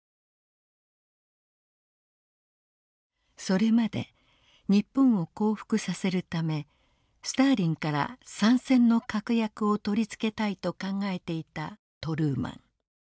それまで日本を降伏させるためスターリンから参戦の確約を取り付けたいと考えていたトルーマン。